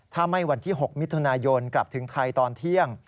ถ้าไม่วันที่๖มิถุนายนกลับถึงไทยตอนเที่ยง